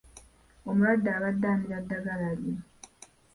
Omulwadde abadde amira ddagala lye.